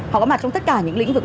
họ có mặt trong tất cả những lĩnh vực